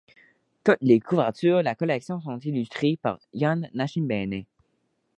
Toutes les couvertures de la collection sont illustrées par Yan Nascimbene.